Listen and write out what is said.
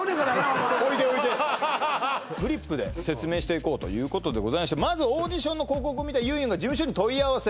フリップで説明していこうということでございましてまずオーディションの広告を見たゆんゆんが事務所に問い合わせ